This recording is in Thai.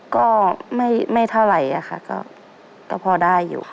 ก็ไม่เท่าไหร่ค่ะก็พอได้อยู่ค่ะ